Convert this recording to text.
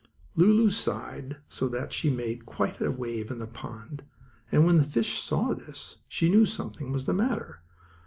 Lulu sighed so that she made quite a wave in the pond, and when the fish saw this she knew something was the matter.